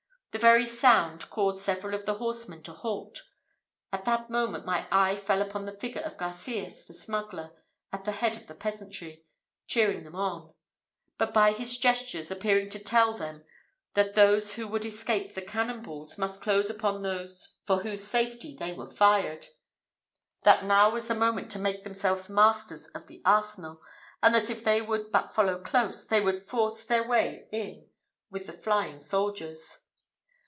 The very sound caused several of the horsemen to halt. At that moment, my eye fell upon the figure of Garcias the smuggler, at the head of the peasantry, cheering them on; and by his gestures, appearing to tell them that those who would escape the cannon balls must close upon those for whose safety they were fired; that now was the moment to make themselves masters of the arsenal; and that if they would but follow close, they would force their way in with the flying soldiers.